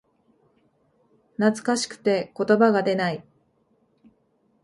懐かしくて言葉が出ない